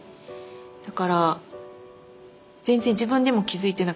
だから全然自分でも気付いてなかった。